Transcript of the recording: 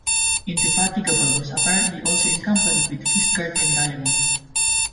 "Indefatigable" was apparently also in company with "Fisgard" and "Diamond".